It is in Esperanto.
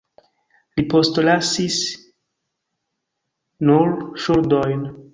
Li postlasis nur ŝuldojn.